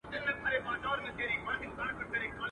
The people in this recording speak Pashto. څوک چي وبا نه مني توره بلا نه مني.